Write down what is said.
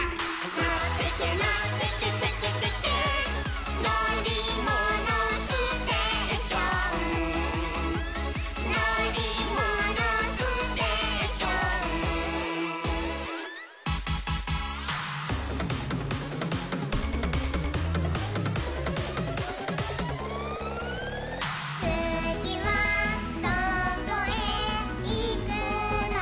「のってけのってけテケテケ」「のりものステーション」「のりものステーション」「つぎはどこへいくのかな」